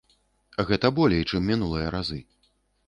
Гэта болей, чым мінулыя разы.